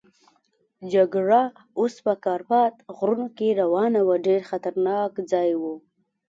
جګړه اوس په کارپات غرونو کې روانه وه، ډېر خطرناک ځای وو.